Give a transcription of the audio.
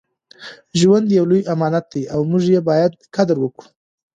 ژوند یو لوی امانت دی او موږ یې باید قدر وکړو.